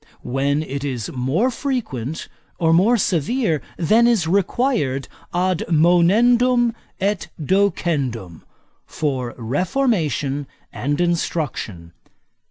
When it is more frequent or more severe than is required ad monendum et docendum, for reformation and instruction.